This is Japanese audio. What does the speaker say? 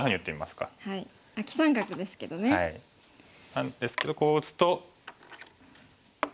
なんですけどこう打つと。